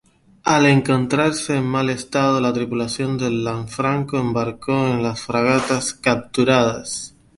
Al encontrarse en mal estado, la tripulación del "Lanfranco" embarcó en las fragatas capturadas.